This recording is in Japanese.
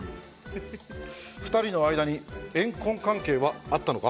２人の間に怨恨関係はあったのか？